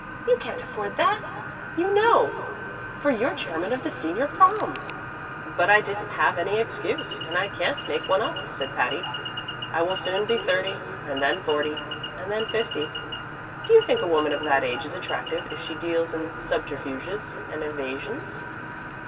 You can't afford that, you know, for you're chairman of the Senior Prom." "But I didn't have any excuse, and I can't make one up," said Patty. "I will soon be thirty, and then forty, and then fifty. Do you think a woman of that age is attractive if she deals in subterfuges and evasions?